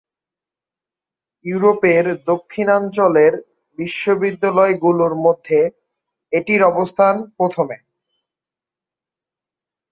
ইউরোপের দক্ষিণাঞ্চলের বিশ্ববিদ্যালয়গুলোর মধ্যেও এটির অবস্থান প্রথমে।